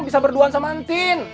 bisa berduaan sama antin